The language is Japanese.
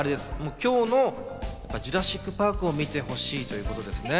今日の『ジュラシックパーク』を見てほしいということです。